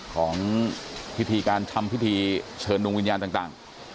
ของพิธีการทำพิธีเชิญดวงวิญญาณต่าง